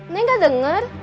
neng gak denger